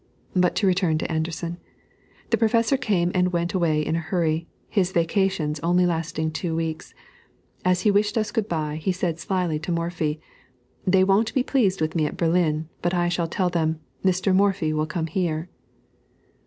But to return to Anderssen. The Professor came and went away in a hurry, his vacations only lasting two weeks. As he wished us good bye, he said slyly to Morphy, "They won't be pleased with me at Berlin, but I shall tell them, 'Mr. Morphy will come here.'"